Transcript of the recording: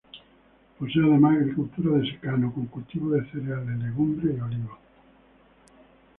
Posee además agricultura de secano, con cultivos de cereales, legumbres y olivos.